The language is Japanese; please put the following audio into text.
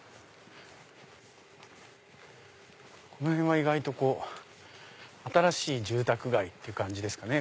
この辺は意外と新しい住宅街って感じですかね。